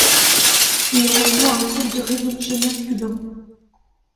Il rejoint un groupe de révolutionnaires cubains.